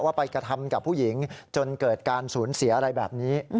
ไปกระทำกับผู้หญิงจนเกิดการสูญเสียอะไรแบบนี้